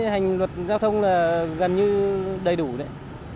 hành luật giao thông là gần như đầy đủ đấy